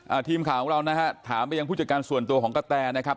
ทีมข่าวของเรานะฮะถามไปยังผู้จัดการส่วนตัวของกะแตนะครับ